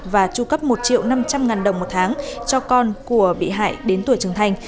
và tru cấp một triệu năm trăm linh ngàn đồng một tháng cho con của bị hại đến tuổi trưởng thành